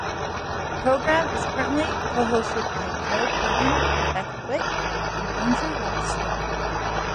The program is currently co-hosted by Joe Kernen, Rebecca Quick, and Andrew Ross Sorkin.